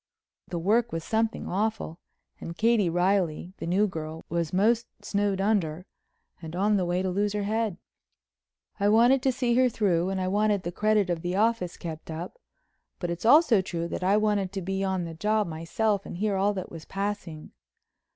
The work was something awful, and Katie Reilly, the new girl, was most snowed under and on the way to lose her head. I wanted to see her through and I wanted the credit of the office kept up, but it's also true that I wanted to be on the job myself and hear all that was passing.